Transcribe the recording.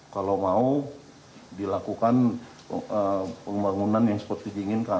kalau mau dilakukan pembangunan yang sepertinya